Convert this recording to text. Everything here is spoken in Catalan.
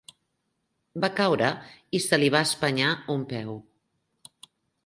Va caure i se li va espenyar un peu.